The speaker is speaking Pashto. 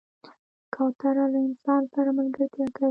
کوتره له انسان سره ملګرتیا کوي.